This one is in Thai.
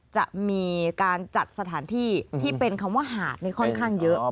จะมีการจัดสถานที่ที่เป็นคำว่าหาดนี่ค่อนข้างเยอะ